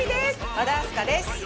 和田明日香です。